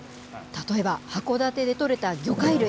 例えば函館で取れた魚介類。